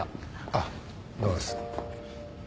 あっどうもです。